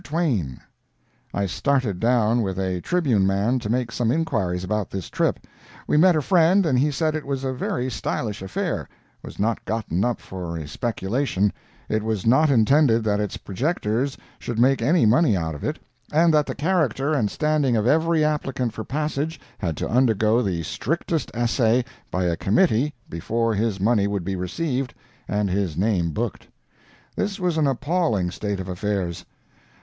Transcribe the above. TWAIN" I started down with a Tribune man to make some inquiries about this trip. We met a friend and he said it was a very stylish affair, was not gotten up for a speculation, it was not intended that its projectors should make any money out of it, and that the character and standing of every applicant for passage had to undergo the strictest assay by a Committee before his money would be received and his name booked. This was an appalling state of affairs.